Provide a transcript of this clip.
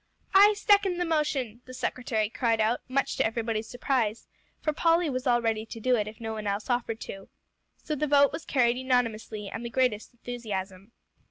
"I second the motion," the secretary cried out, much to everybody's surprise, for Polly was all ready to do it if no one else offered to. So the vote was carried unanimously amid the greatest enthusiasm.